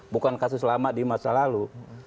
bukan kasus lama di masa lalu